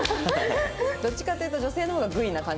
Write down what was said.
どっちかというと女性の方がグイな感じが。